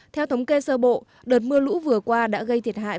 theo thống kê sơ bộ đợt mưa lũ vừa qua đã gây thiệt hại